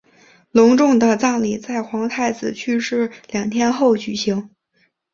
隆重的葬礼在皇太子去世两天后举行。